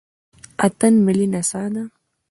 اتن ملي نڅا ده